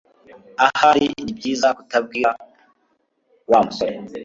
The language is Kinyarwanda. Ahari nibyiza kutabwira Wa musore